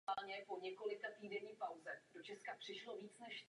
Přírodní památka je v péči Krajského úřadu Středočeského kraje.